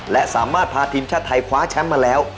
และสามารถพาทีมชาติไทยคว้าแชมป์มาแล้ว